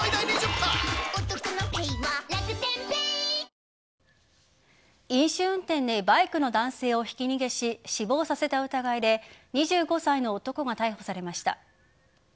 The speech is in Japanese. ＮＴＴドコモは昨日飲酒運転でバイクの男性をひき逃げし死亡させた疑いで２５歳の男が逮捕されました。